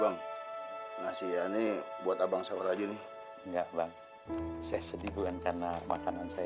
bang bang bang nasi ya nih buat abang sawah gini enggak bang saya sedih bukan karena makanan saya